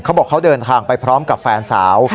บอกเขาเดินทางไปพร้อมกับแฟนสาว